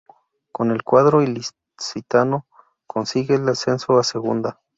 Con el cuadro ilicitano consigue el ascenso a Segunda.